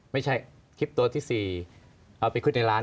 ไม่ใช่คลิปตัวที่๔เอาไปขึ้นในร้าน